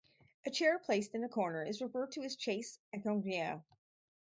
A chair placed in a corner is referred to as a chaise encoignure.